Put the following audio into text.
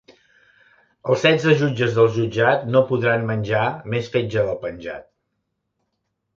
Els setze jutges del jutjat no podran menjar més fetge del penjat.